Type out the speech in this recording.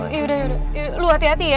yaudah yaudah lo hati hati ya